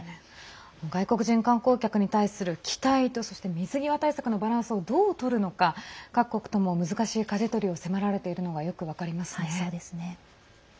外国人観光客に対する期待とそして、水際対策のバランスをどう取るのか各国とも難しいかじ取りを迫られているのがよく分かりますね。